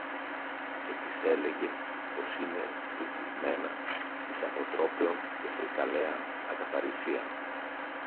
Και της έλεγε πως «είναι βυθισμένα εις αποτρόπαιον και φρικαλέαν ακαθαρσίαν»